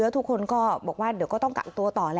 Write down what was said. ติดโควิด